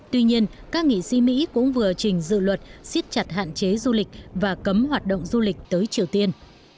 tuy nhiên các nghị sĩ mỹ cũng vừa trình dự luật siết chặt hạn chế du lịch và cấm hoạt động du lịch tới triều tiên